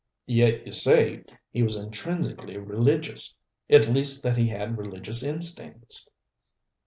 "Yet you say he was intrinsically religious? At least, that he had religious instincts?"